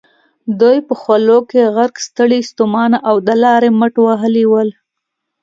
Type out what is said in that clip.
دوی په خولو کې غرق، ستړي ستومانه او د لارې مټ وهلي ول.